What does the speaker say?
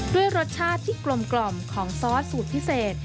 ด้วยรสชาติที่กลมของซอสสูตรพิเศษ